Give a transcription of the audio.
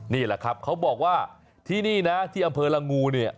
นี่แหละครับเขาบอกว่าที่นี่นะที่อำเภอละงูเนี่ย